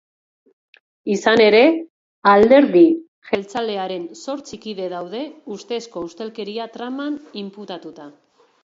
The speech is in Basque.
Izan ere, alderdi jeltzalearen zortzi kide daude ustezko ustelkeria traman inputatuta.